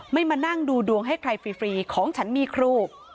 มานั่งดูดวงให้ใครฟรีของฉันมีครู